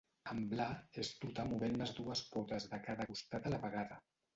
Amblar és trotar movent les dues potes de cada costat a la vegada.